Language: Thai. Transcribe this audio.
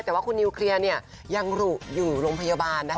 แต่ว่าคุณนิวเคลียร์เนี่ยยังอยู่โรงพยาบาลนะคะ